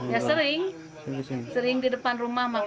ya sering sering di depan rumah